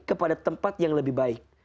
kepada tempat yang lebih baik